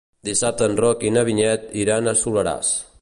Dissabte en Roc i na Vinyet iran al Soleràs.